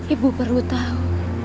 ibu perlu tahu